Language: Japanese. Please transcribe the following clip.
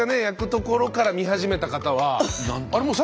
焼くところから見始めた方はあれ？